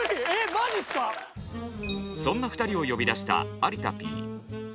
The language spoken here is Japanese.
そんな２人を呼び出した有田Ｐ。